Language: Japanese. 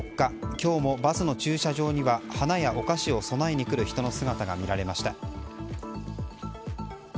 今日もバスの駐車場には花やお菓子を供えにくる人の姿が見られました。